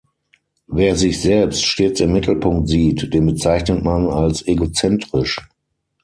Wer sich selbst stets im Mittelpunkt sieht, den bezeichnet man als egozentrisch.